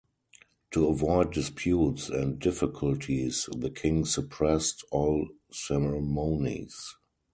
To avoid disputes and difficulties, the king suppressed all ceremonies.